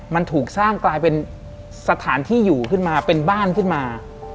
มันถูกสร้างกลายเป็นสถานที่อยู่ขึ้นมาเป็นบ้านขึ้นมา